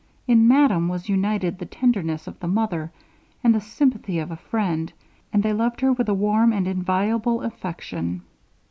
In madame was united the tenderness of the mother, with the sympathy of a friend; and they loved her with a warm and inviolable affection.